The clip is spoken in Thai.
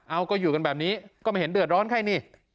เอาก็อยู่กันแบบนี้ก็ไม่เห็นเดือดร้อนใครนี่